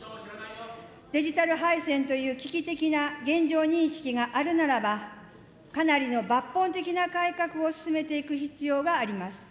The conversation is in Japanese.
デジタル敗戦という危機的な現状認識があるならば、かなりの抜本的な改革を進めていく必要があります。